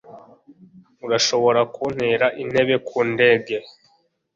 Urashobora kuntera intebe ku ndege?